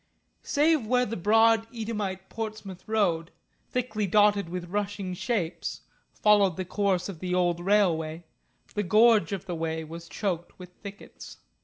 Save where the broad Eadhamite Portsmouth Road, thickly dotted with rushing shapes, followed the course of the old railway, the gorge of the wey was choked with thickets.